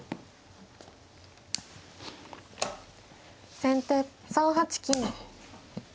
先手３八金。